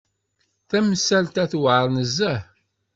Tamsalt-a tewεer nezzeh.